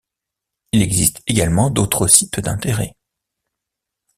Il existe également d'autres sites d'intérêt.